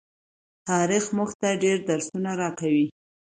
تاریخ مونږ ته ډیر درسونه راکوي.